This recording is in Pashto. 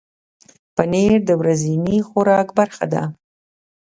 پنېر د ورځني خوراک برخه ده.